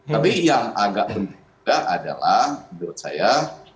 jadi yang agak berbeda adalah menurut saya